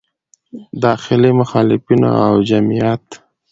داخلي مخالفینو او د جمعیت